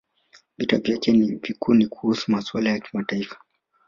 Vita vyake vikuu ni kuhusu masuala ya kimataifa